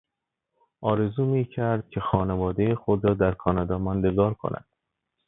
آرزو میکرد که خانوادهی خود را در کانادا ماندگار کند.